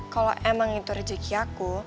kalau emang itu rezeki aku